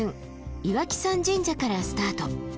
岩木山神社からスタート。